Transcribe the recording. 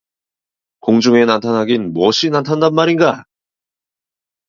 공중에 나타나긴 뭣이 나타난단 말인가?